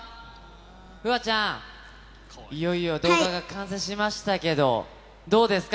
楓空ちゃん、いよいよ動画が完成しましたけど、どうですか？